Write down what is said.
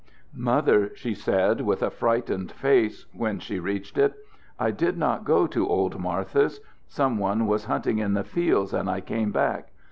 "Mother," she said, with a frightened face, when she reached it, "I did not go to old Martha's. Some one was hunting in the fields, and I came back.